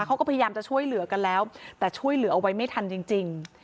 เขาก็พยายามจะช่วยเหลือกันแล้วแต่ช่วยเหลือเอาไว้ไม่ทันจริง